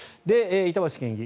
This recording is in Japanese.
板橋県議